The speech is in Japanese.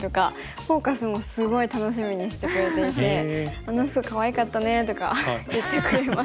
「フォーカス」もすごい楽しみにしてくれていて「あの服かわいかったね」とか言ってくれます。